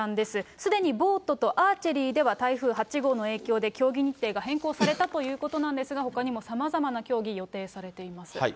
すでにボートとアーチェリーでは、台風８号の影響で、競技日程が変更されたということなんですが、ほかにもさまざまな競技、予定されています。